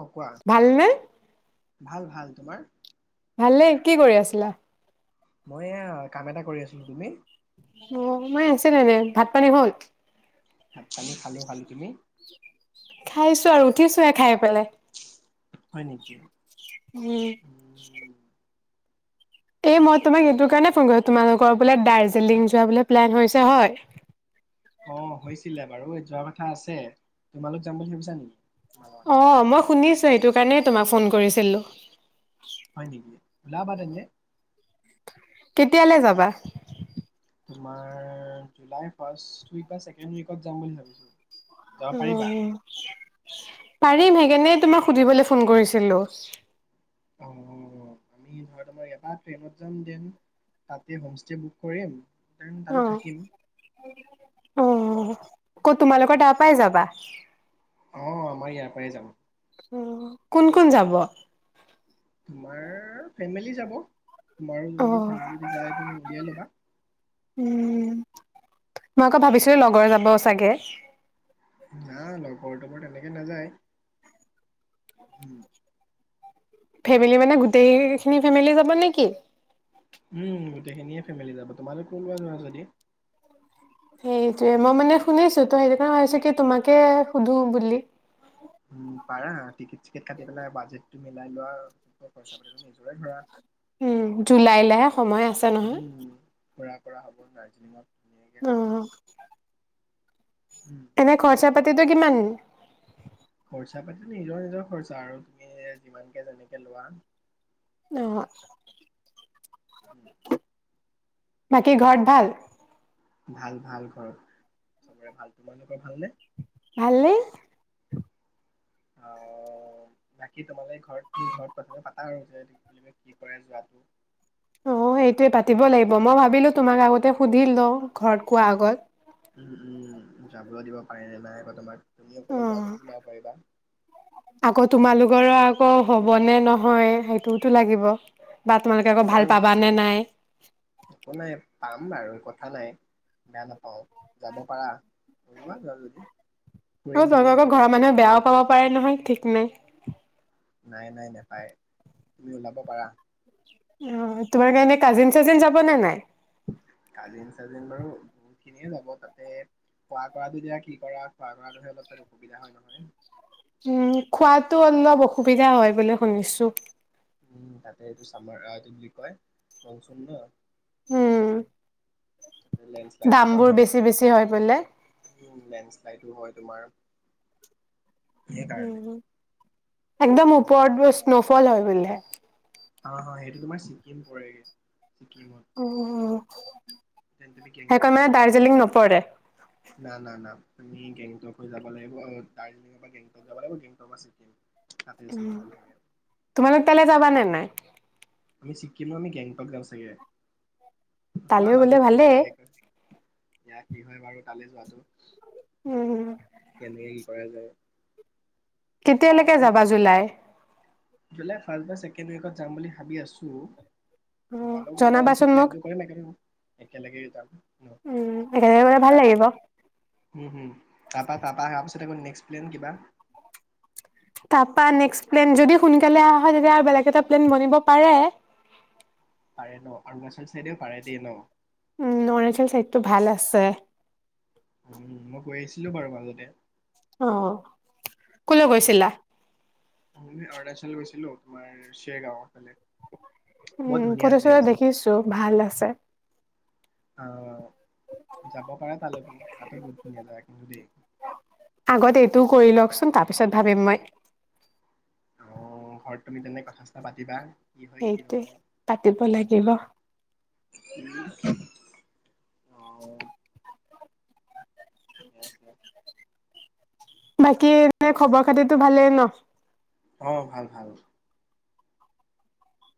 অ কোৱা ভাল নে? ভাল ভাল। তোমাৰ? ভালেই। কি কৰি আছিলা? মই এয়া কাম এটা কৰি আছিলো। তুমি? অ মই এই আছিলো এনে। ভাত-পানী হ'ল? ভাত-পানী খালো খালো। তুমি? খাইছো আৰু উঠিছোহে খাই পেলাই। হয় নেকি? উম, এই মই তোমাক এইেটো কাৰণে ফোন কৰিলো তোমালোকৰ বোলে দাৰ্জিলিং যোৱা বোলে প্লেন হৈছে হয়? অ হৈছিলে বাৰু যোৱা কথা আছে তোমালোক যাম বুলি ভাবিছা নেকি? অ মই শুনিছো সেইটো কাৰণেই তোমাক ফোন কৰিছিলো। হয় নেকি ওলাবা তেন্তে কেতিয়ালে যাবা? তোমাৰ জুলাই ফাৰ্ষ্ট উইক বা চেকেণ্ড উইকত যাম বুলি ভাবিছো। যাব পাৰিবা উম পাৰিম সেইকাৰণে তোমাক সুধিবলে ফোন কৰিছিলো। অ আমি ধৰা তোমাৰ ইয়াৰ পৰা ট্ৰেইনত যাম দেন তাতে হোমষ্টে বুক কৰিম। দেন তাতে অ থাকিম অ ক'ত তোমালোকৰ তাৰ পৰাই যাবা? অ আমাৰ ইয়াৰ পৰাই যাম। উম কোন কোন যাব? তোমাৰ ফেমিলি যাব। তোমাৰো অ' য ফেমিলি যদি যায় উলিয়াই লবা। উম, মই আকৌ ভাবিছিলো লগৰ যাব চাগে। না লগৰ-তগৰ তেনেকে নাযায়। ফেমিলি মানে গোটেইখিনি ফেমিলিয়ে যাব নেকি? উম গোটেইখিনিয়ে ফেমিলি যাবা তোমালোক ওলোৱা যোৱা যদি সেইটোয়ে মই মানে শুনিছো তো সেইটো কাৰণে ভাবিছোঁ কি তোমাকে সুধো বুলি। উম পাৰা টিকেট-চিকেট কাটি পেলাই বাজেটটো মিলাই লোৱা। পইচা পাতিটো নিজৰে ধৰা উম জুলাইলেহে সময় আছে নহয়। কৰা কৰা হ'ব দাৰ্জিলিঙত ধুনীয়াকে অহ উম এনে খৰচা-পাতিটো কিমান? খৰচা-পাতি নিজৰ নিজৰ খৰচা আৰু তুমি যিমানকে যেনেকে লোৱা। অ বাকী ঘৰত ভাল? ভাল ভাল ঘৰত সবৰে ভাল, তোমালোকৰ ভালনে? ভাল নে। আহ! বাকী তোমালৈ ঘৰত তুমি ঘৰত কথাটো পাতা আৰু যে কি কৰে যোৱাটো অ সেইটোয়ে পাতিব লাগিব মই ভাবিলোঁ তোমাক আগতে সুধি লওঁ, ঘৰত কোৱা আগত উম, যাবলৈ দিব পাৰে নে নাই বা তোমাক। তুমি অ অকলে যোৱা যদি ওলাব পাৰিবা। আকৌ তোমালোকৰো আকৌ হ'ব, নে নহয় সেইটোওতো লাগিব। বা তোমালোকে আমাৰ আকৌ বাৰু ভাল পাবা নে নাই একো নাই, পাম বাৰু কথা নাই, বেয়া নাপাওঁ যাব পাৰা। ওলোৱা যাওঁ যদি, ফুৰিম আৰু [inaudible] ধুনীয়াকে তাতে ঘৰৰ মানুহে বেয়াও চবতে। পাব পাৰে নহয় ঠিক এনে। নাই, নাই নাপায়। তুমি ওলাব পাৰা। অ তোমাৰ কাৰণে কাজিন-চাজিন যাব নে নাই? কাজিন-চাজিন বাৰু বহুত খিনিয়ে যাব, তাতে খোৱা টোৱা বিলাক কি কৰা [unintelligible] অসুবিধা হয় নহয়। উম, খোৱাতো অলপ অসুবিধা হয় বুলি শুনিছোঁ। উম, তাতে এইটো চামাৰ এইটো বুলি কয় মনসুন ন। হম। লেণ্ডশ্লাইডো হোৱা দামবোৰ চান্স বেছি বেছি হয় বোলে। এইটো হয় তোমাৰ সেই কাৰণে। উম, একদম ওপৰত বুচ নচলে বোলে। অ অ সেইটো তোমাৰ ছিকিম পৰেগে ছিকিম। অহ। [unintelligible] যাব লাগে? নপৰে। না না না। তুমি গেংটক যাব লাগিব, আৰু দাৰ্জিলিঙৰ পৰা গেংটক যাব লাগিব গেংটকৰ পৰা ছিকিম। তাতে উম, স্ন'ফল থাকে তোমালোক তালে যাবা নে নাই? আমি চিকিম আমি গেংটক যাম চাগে। লোৱা তালৈ গ'লে বাজেটটো ভালেই। মিলাই এয়া কি হয় বাৰু তালৈ যোৱাটো। উম, কেনেই কি কৰা যায়। কেতিয়ালৈকে যাবা জুলাই জুলাইৰ ফাষ্ট বা ছেকেণ্ড উইকত যাম বুলি ভাবি আছোঁ। অ' তোমালোক ওলোৱা হৈছে জনাবাচোন মোক। প্লেনটো কৰিবই লাগে ন। একেলগে যাম। উম, একেলগে গ'লে ভাল তাৰ পৰা? লাগিব। হম হম--তাৰ পৰা তাৰ পৰা [unintelligible] [unintelligible] কিবা তাৰপা নেক্সট প্লেন যদি সোনকালে আহ' তেতিয়া আৰু বেলেগ এটা প্লেন বনিব পাৰে পাৰে ন অৰুণাচল চাইডেও পাৰে দেই ন উম অৰুণাচল চাইডটো ভাল আছে গৈছিলো বাৰু মাজতে অঁ ক'লৈ উম গৈছিলা আমি অৰুণাচল গৈছিলো তোমাৰ শ্বেৰগাঁৱৰ ফালে বহুত উম ধুনীয়া ফটো-চটো প্লেচ দেখিছো ভাল আছে। অঁ যাব পাৰা তালৈকেও তাতো বহুত ধুনীয়া জাগা কিন্তু দেই আগত এইটোও কৰি লওকচোন তাৰপিছত ভাবিম মই অঁ ঘৰত তুমি তেন্তে কথা চথা পাতিবা কি হয় কি সেইটোৱে নহয় পাতিব লাগিব। অ [unintelligible] বাকী এনে খবৰ খাতিতো ভালেই ন অঁ ভাল ভাল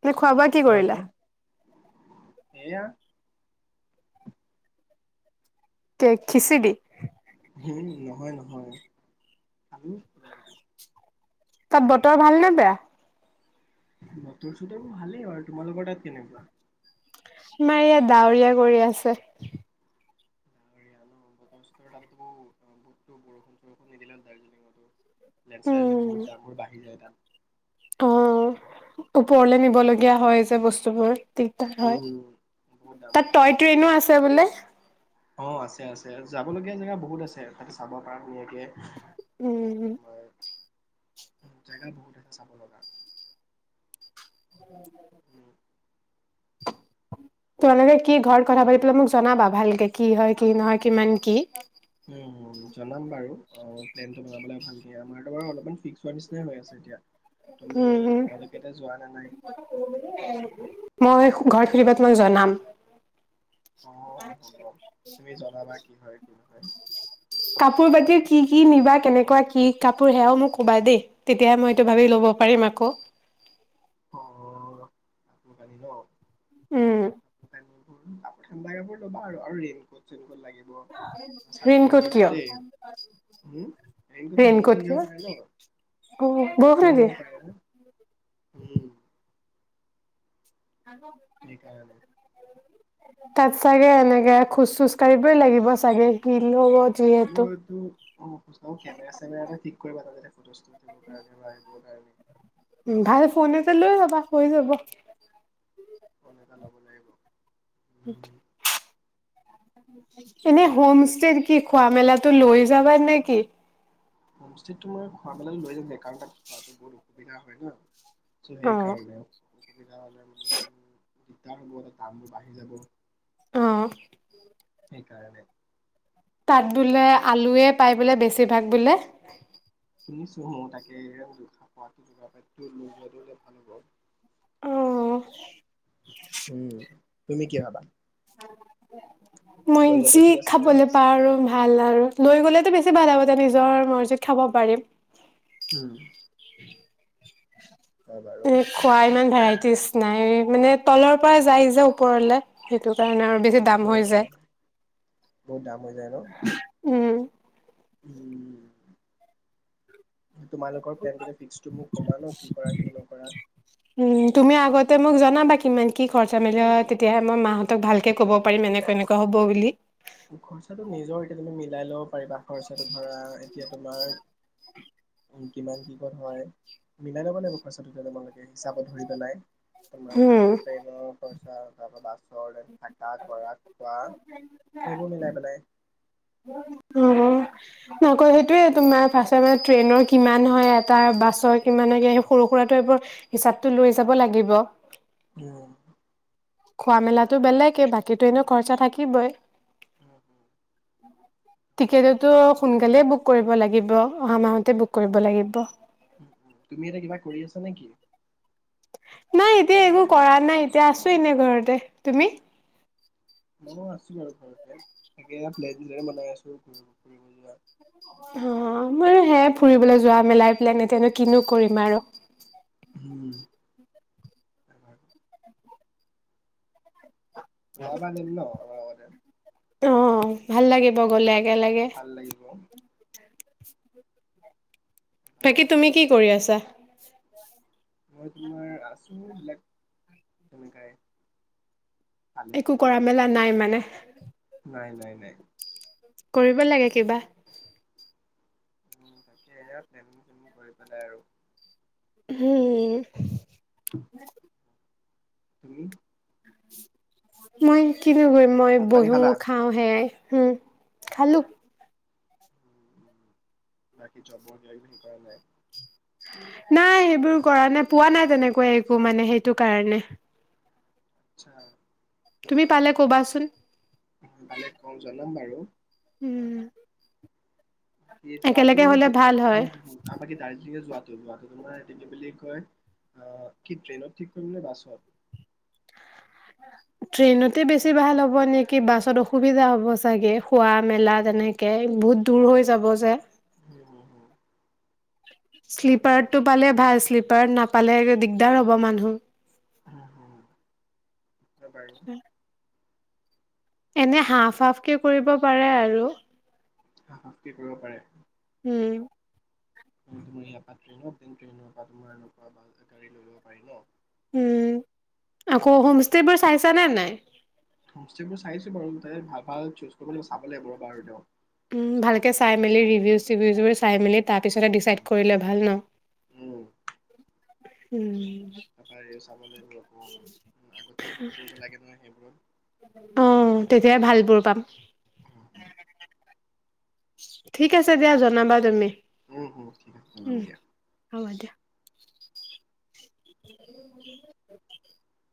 [unintelligible] খোৱা-বোৱা কি কৰিলা তোমালোকৰ এয়া [unintelligible] খিচিৰি উম নহয় নহয় আমি [unintelligible] তাত বতৰ ভাল নে বেয়া? বতৰ-চতৰ ভালেই বাৰু তোমালোকৰ তাত কেনেকুৱা আমাৰ ইয়াত ডাৱৰীয়া কৰি আছে ডাৱৰীয়া ন বতৰ-চতৰ [unintelligible] বৰষুণ-চৰষুণ নিদিলে হ'ল দাৰ্জিলিঙতো লেণ্ডশ্লাইড হ'লে বহুত দামবোৰ বাঢ়ি যায় তাত অঁ ওপৰলে নিবলগীয়া হয় যে বস্তুবোৰ দিগদাৰ হয়। উম, বহুত দামবোৰ তাত বাঢ়ি টয় যায় ট্ৰেইনো আছে বোলে। অ আছে আছে যাবলগীয়া জেগা বহুত আছে তাতে চাব পৰা ধুনীয়াকে উম তোমাৰ জেগা বহুত আছে চাব লগা [unintelligible] উম তোমালোকে কি ঘৰত কথা পাতি পেলাই মোক জনাবা ভালকে কি হয় কি নহয় কিমান কি উম জনাম বাৰু অঁ প্লেনটো বনাব লাগে ভালকে আমাৰতো বাৰু অলপমান ফিক্স হোৱাৰ নিচিনাই হৈ আছে এতিয়া তুমি উম তোমালোকে এতিয়া যোৱা নে নাই [unintelligible] মই ঘৰত সুধি পেলে তোমাক জনাম অঁ হ'ব তুমি জনাবা কি হয় কি নহয় কাপোৰ বাকী কি কি নিবা কেনেকুৱা কি কাপোৰ সেয়াও মোক ক'বা দেই তেতিয়াহে মই এইটো ভাবি ল'ব পাৰিম আকৌ অঁ কাপোৰ-কানি ন উম [unintelligible] লাগিব, চাটনি ৰেইনকোট লাগিব কিয়? দেই, উম ৰেইনকোট বৰষুণ দিব কিয়? পাৰে ন? অ', বৰষুণে বৰষুণ দিব দিয়ে। পাৰে ন? উম [unintelligible] [unintelligible] তাত চগে এনেকে খোজ চোজ কাঢ়িবই লাগিব চাগে কি লগত। মইটো অ' কেমেৰা চেমেৰা এটা ঠিক কৰিবা তাতে। ভাল ফোন [unintelligible] লৈ যবা। হৈ যাব। [unintelligible] [unintelligible] এনেই হোম ষ্টেৰ কি খোৱা মেলাটো লৈ যাবা নে কি? ো মই খোৱাবেলাক লৈ যাম কাৰণ তাত খোৱাাতো বহুত অসুবিধা হয় ন চ সেই অ', কাৰণ। অসুবিধা হ'লে মানে অকণ দিগদাৰ হ'ব দামটোোৰ বাঢ়ি যাব। অ' সেইকাৰণে। তাত বোলে আলুয়ে পাই বোলে বেছিভাগ বোলে? শুনিছো ম তাকে খা পটো যোগাৰ লৈ যোৱালে ভাল হ'ব। অ' উম, তুমি কি ভাবা? মই লৈ যোৱাটো যি ঠিক আছে নে? খাবলৈ পাওঁ আৰু? ভাল আৰু, লৈ গ'লেতো বেছি ভাল হ'ব। তাত নিজৰ মৰ্জিত খাব পাৰিম। উম হয় [unintelligible] বাৰু। ভেৰাইটিজ নাই মানে তলৰ পৰা যায় যে ওপৰলে সেইটো কাৰণে আৰু বেছি উম, দাম হয়, হৈ যায়। হয়। বহুত দাম। হৈ যায় ন? উম উম তোমালোকৰ প্লেনটোতে ফিক্সটো মোক কবা ন। কি কৰা কি নকৰা। উম তুমি আগতে মোক জনাবা, কিমান কি খৰচা মেলি তেতিয়াহে মই মাহঁতক ভালকে ক'ব পাৰিম এনেকুৱা এনেকুৱা হব বুলি। খৰচাটো নিজৰ এতিয়া তুমি মিলাই লব খৰচাতো নিজৰ, এতিয়া তুমি মিলায় ল'ব পাৰিবা। খৰচাটো ধৰা এতিয়া তোমাৰ কিমান কি কত হয় মিলাই লব লাগিব খৰচাটো কেনেকুৱা উম হয়। হিচাপত ধৰি পেলাই তোমাৰ ট্ৰেইনৰ খৰচা, বাছ [unintelligible] থকা কৰা খোৱা সেইবোৰ মিলাই পেলাই। অ নকৌ সেইটোয়ে তোমাৰ পা মানে ট্ৰেইনৰ কিমান হয় এটা বাছৰ কিমান হয় সেই সৰু সুৰাটো এইবোৰ হিচাপটো লৈ যাব লাগিব। উম। খোৱা মেলা। টো বেলেকে বাকীটো এনেও খৰচা থাকিবই। উম, উম, হয় বাৰু ঠিকেতেতো শুন বেলেগ বুক কৰিব লাগিব, অহা মাহতে বুক কৰিব লাগিব। উম, উম, তুমি এতিয়া কিবা কৰি আছা নেকি? নাই, এতিয়া একো কৰা নাই, এতিয়া আছো এনে ঘৰতে তুমি? মই আছোঁ আৰু ঘৰত। [inaudible] তাকে এয়া [inaudible] বনাই আছো ঘূৰিব ফুৰিব যোৱা। হ ', ময়ো হেয়া ফুৰিবলৈ যোৱা মেলাই প্লেন এতিয়াানো কিনো কৰিম আৰু। উম। [unintelligible] বাম আনিম ন? লগতে? অ', ভাল লাগিব গ'লে। একেলগে ভাল লাগিব। ওলাবা। বাকী তুমি কি কৰি আছা? [inaudible] মই তোমাৰ, আছো বিলাক তেনেকাই। ভালে একো কুশলে কৰা মেলা নাই মানে? নে। কৰিব লাগে কিবা। উম তাকে, এয়া প্লেনিং চেনিং কৰি পেলাই আৰু। হম। [inaudible] তুমি? মই এক কিভিউ কৰিম মই, ভাত পানী বহো খালা? খাওঁ হেয়াই। হম, খালো। উম, উম। বাকী জবৰ কিবা কিবি হেৰি কৰা নাই? নাই, হেইবোৰ কৰা নাই, পোৱা নাই তেনেকুৱা একো মানে হেটো কাৰণে। আচ্ছা। তুমি পালে ক'বাচোন। অ', পালে কম, জনাম বাৰু। উম। কি একেলগে যোৱাটোও হলে কি, ভাল হয় উম, হম, হম, তাৰপা কি দাৰ্জিয়ে যোৱা। কে বোৱাটো তোমাৰ কি বুলি কয়, আ, কি ট্ৰেইনত ঠিক কৰিম নে, বাছত? ট্ৰেইনতে বেছি ভাল হ'ব নেকি, বাছত অসুবিধা হ'ব চাগে, খোৱা- মেলা তেনেকে বহুত দূৰ হৈ যাব যে। হম, হম, হম। সেইটো কাৰণে শ্লীপাৰতটো পালে ভাল, শ্লীপাৰত নাপালে দিগদাৰ হ'ব মানুহ। অ পাৰি। এনে হাফ হাফ কে কৰিব পাৰে আৰু। হা কি কৰিব পাৰে। উম। তুমি ইয়াৰ পৰা ট্ৰেইনত, ট্ৰেইনৰ পৰা তোমাৰ এনেকুৱা বা গাড়ী লৈ লব পাৰি ন। উম, আকৌ হোমষ্টে বোৰ চাইছা নে নাই? হোমষ্টেবোৰ চাইছো বাৰু তে, ভাল ভাল চুজ কৰিবলৈ চাব লাগিব বাৰু তেওঁ উম বুজিছা ভালকে নহ'লে চাই মেলি ৰিভিউজ চিভিউজবোৰ চাই মেলি তাৰ উম, পিছতে উম, ডিচাইড উম। কৰিলে ভাল ন, উম, উম। তাৰপৰা এই চাব লাগিব অ আগতেই বুক কৰিব লাগে ন সেইবোৰ। অঁ, তেতিয়াই ভালবোৰ পাম। উম, উম, ঠিক আছে দিয়া জনাবা তুমি। উম হম ঠিক আছে জনাম উম, দিয়া। হ'ব দিয়া [unintelligible]